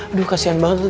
aduh kasian banget lu tiga